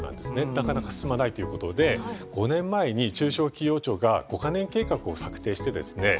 なかなか進まないということで５年前に中小企業庁が「５ヶ年計画」を策定してですね